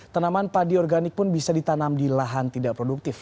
tanaman padi organik pun bisa ditanam di lahan tidak produktif